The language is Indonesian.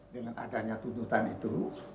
dengan adanya tuntutan itu